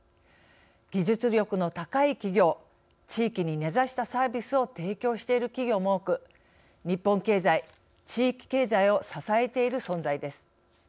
技術力の高い企業地域に根ざしたサービスを提供している企業も多く日本経済、地域経済を支えている存在です。